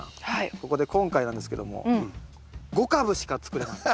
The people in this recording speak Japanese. ここで今回なんですけども５株しか作れません。